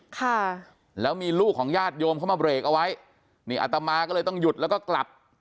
ค่ะแล้วมีลูกของญาติโยมเข้ามาเรกเอาไว้นี่อัตมาก็เลยต้องหยุดแล้วก็กลับ